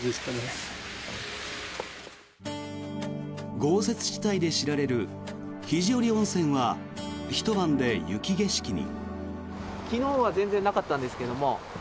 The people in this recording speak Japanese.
豪雪地帯で知られる肘折温泉はひと晩で雪景色に。